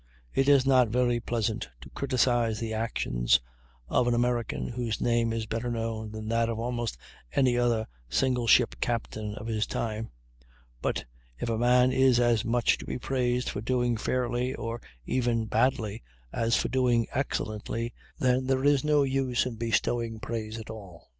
It is not very pleasant to criticise the actions of an American whose name is better known than that of almost any other single ship captain of his time; but if a man is as much to be praised for doing fairly, or even badly, as for doing excellently, then there is no use in bestowing praise at all.